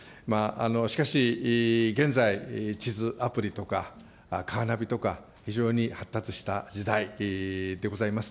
しかし、現在、地図アプリとか、カーナビとか、非常に発達した時代でございます。